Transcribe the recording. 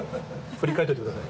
振り返っておいてください。）